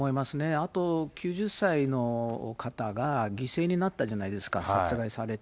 あと９０歳の方が犠牲になったじゃないですか、殺害されて。